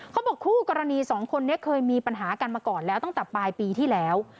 คู่กรณีสองคนนี้เคยมีปัญหากันมาก่อนแล้วตั้งแต่ปลายปีที่แล้ว